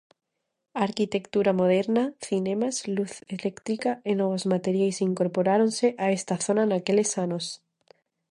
Arquitectura moderna, cinemas, luz eléctrica e novos materiais incorporáronse a esta zona naqueles anos.